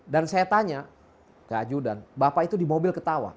dan saya tanya ke ajudan bapak itu di mobil ketawa